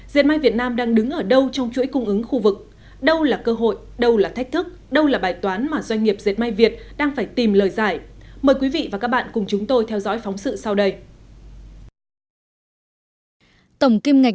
diệt may việt nam đang đứng ở đâu trong chuỗi cung ứng khu vực đâu là cơ hội đâu là thách thức đâu là bài toán mà doanh nghiệp diệt may việt đang phải tìm lời giải